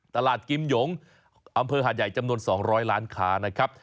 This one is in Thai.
ตลาดกิมหยงอำเภอหาดใหญ่จำนวน๒๐๐ล้านค้านะครับ